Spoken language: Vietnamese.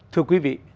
thưa quý vị